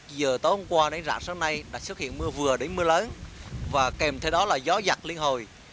giờ tối hôm qua đến rạng sáng nay đã xuất hiện mưa vừa đến mưa lớn và kèm theo đó là gió giặt liên hồi